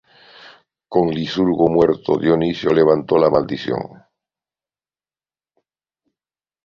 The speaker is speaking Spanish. Con Licurgo muerto, Dioniso levantó la maldición.